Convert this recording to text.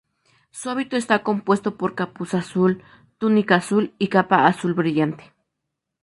Su hábito está compuesto por capuz azul, túnica azul y capa azul brillante.